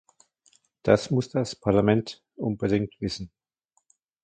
Das muss das Parlament unbedingt wissen.